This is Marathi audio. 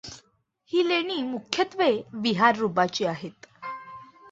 ही लेणी मुख्यत्वे विहार रूपाची आहेत.